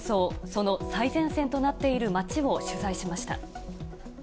その最前線となっている町を取材しました。